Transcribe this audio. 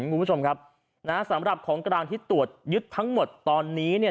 คุณผู้ชมครับนะฮะสำหรับของกลางที่ตรวจยึดทั้งหมดตอนนี้เนี่ย